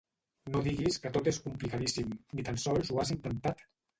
No diguis que tot és complicadíssim, ni tan sols ho has intentat!